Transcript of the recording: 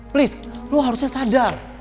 please lu harusnya sadar